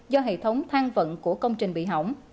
do hệ thống thang vận của công trình bị hỏng